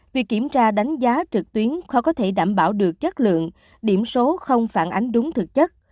việc kiểm tra đánh giá trực tuyến khó có thể đảm bảo được chất lượng điểm số không phản ánh đúng thực chất